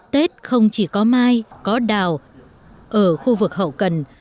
tết không chỉ có mai có đào ở khu vực hậu cần